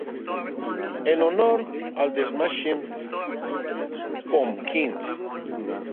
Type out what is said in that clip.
En honor a The Smashing Pumpkins.